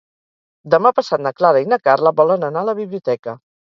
Demà passat na Clara i na Carla volen anar a la biblioteca.